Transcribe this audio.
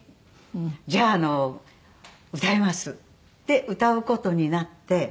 じゃあ歌いますって歌う事になって。